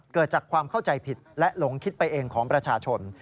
เกิดจากความเข้าใจผิดและหลงคิดไปเองของประชาชน